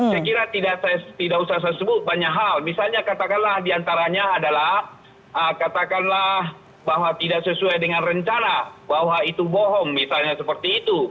saya kira tidak usah saya sebut banyak hal misalnya katakanlah diantaranya adalah katakanlah bahwa tidak sesuai dengan rencana bahwa itu bohong misalnya seperti itu